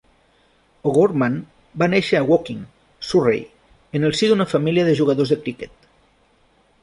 O'Gorman va néixer a Woking, Surrey, en el si d'una família de jugadors de criquet.